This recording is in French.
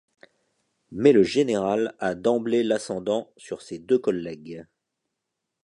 Mais le général a d'emblée l'ascendant sur ses deux collègues.